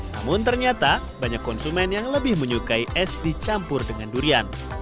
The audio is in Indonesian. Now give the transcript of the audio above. namun ternyata banyak konsumen yang lebih menyukai es dicampur dengan durian